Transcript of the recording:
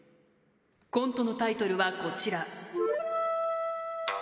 コントのタイトルはこちら。